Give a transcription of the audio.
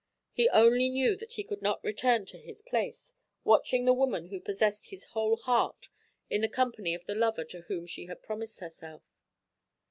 He only knew that he could not return to his place, watching the woman who possessed his whole heart in the company of the lover to whom she had promised herself.